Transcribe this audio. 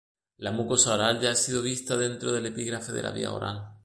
La mucosa oral ya ha sido vista dentro del epígrafe de la vía oral.